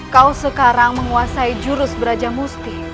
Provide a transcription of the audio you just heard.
kau sekarang menguasai jurus beraja musti